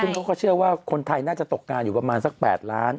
ซึ่งเขาก็เชื่อว่าคนไทยน่าจะตกงานอยู่ประมาณสัก๘ล้าน